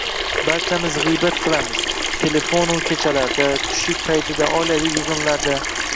Barchamiz g‘iybat qilamiz – telefonu kechalarda, tushlik paytida, oilaviy yig‘inlarda...